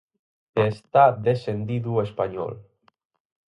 E está descendido o Español.